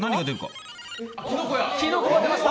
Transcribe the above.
キノコが出ました。